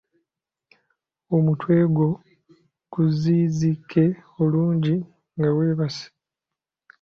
Omutwe gwo guzizike bulungi nga weebase.